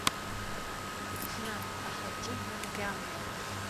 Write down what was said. Иҭәны, ахаҿы гьамгьамуа.